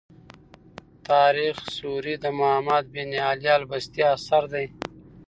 تاریخ سوري د محمد بن علي البستي اثر دﺉ.